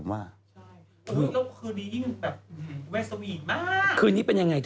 หรือว่าคืนนี้มีเวสซมอีดมากคืนนี้เป็นยังไงเต๋อ